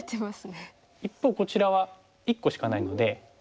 一方こちらは１個しかないので。